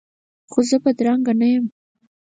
خو زه بدرنګه نه یم